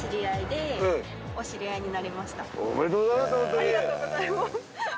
ありがとうございます。